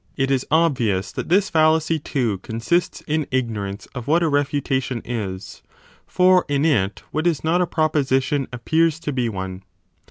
i6 9 a DE SOPHISTICIS ELENCHIS it is obvious that this fallacy too consists in ignorance of 15 what a refutation is : for in it what is not a proposition appears to be one.